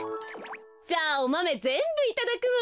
じゃあおマメぜんぶいただくわ。